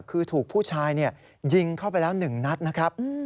คือถูกผู้ชายยิงเข้าไปแล้ว๑นัดนะครับ